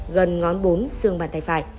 gần ngón bốn xương bàn tay phải